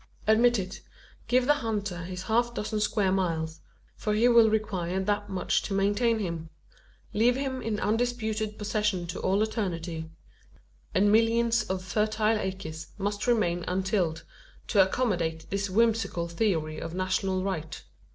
Admit it give the hunter his half dozen square miles for he will require that much to maintain him leave him in undisputed possession to all eternity and millions of fertile acres must remain untilled, to accommodate this whimsical theory of national right.